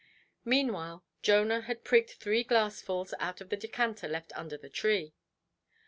Meanwhile Jonah had prigged three glassfuls out of the decanter left under the elm–tree.